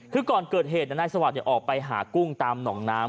คือก่อนเกิดเหตุนายสวัสดิ์ออกไปหากุ้งตามหนองน้ำ